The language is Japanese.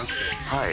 はい。